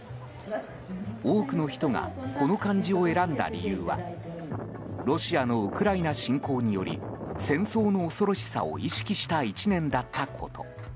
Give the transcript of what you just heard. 多くの人がこの漢字を選んだ理由はロシアのウクライナ侵攻により戦争の恐ろしさを意識した１年だったこと。